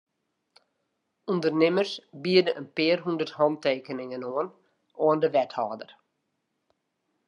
Undernimmers biede in pear hûndert hantekeningen oan oan de wethâlder.